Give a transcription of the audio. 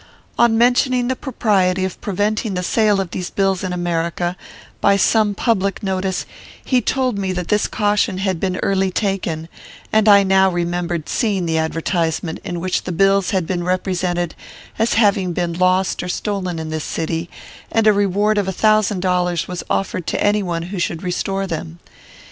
On mentioning the propriety of preventing the sale of these bills in America, by some public notice, he told me that this caution had been early taken; and I now remembered seeing the advertisement, in which the bills had been represented as having been lost or stolen in this city, and a reward of a thousand dollars was offered to any one who should restore them.